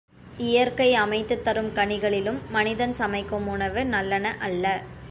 இயற்கை அமைத்துத் தரும் கனிகளிலும் மனிதன் சமைக்கும் உணவு நல்லன அல்ல.